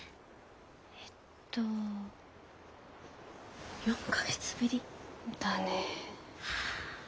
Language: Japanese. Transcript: えっと４か月ぶり？だね。